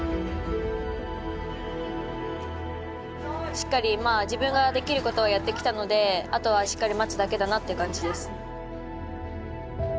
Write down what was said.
しっかり自分ができることをやってきたのであとはしっかり待つだけだなという感じです。